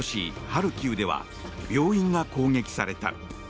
ハルキウでは病院が攻撃された。